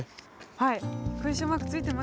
はい。